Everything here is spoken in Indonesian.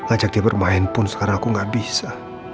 ajak dia bermain pun sekarang aku nggak bisa